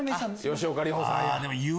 吉岡里帆さん。